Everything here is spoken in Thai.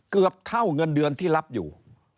เกือบเท่าเงินเดือนที่รับอยู่